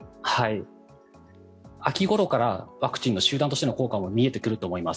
秋ごろからワクチンの集団としての効果も見えてくると思います。